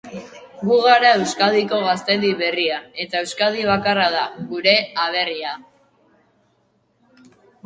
Gu gara Euskadiko gaztedi berria eta Euskadi bakarra da gure aberria.